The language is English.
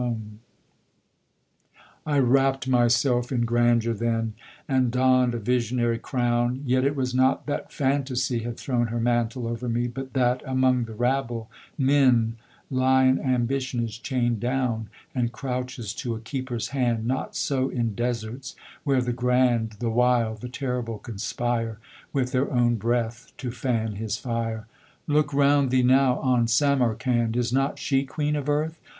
[Illustration: Tamerlane] I wrapp'd myself in grandeur then, And donn'd a visionary crown Yet it was not that Fantasy Had thrown her mantle over me But that, among the rabble men, Lion ambition is chained down And crouches to a keeper's hand Not so in deserts where the grand The wild the terrible conspire With their own breath to fan his fire. Look'round thee now on Samarcand! Is not she queen of Earth?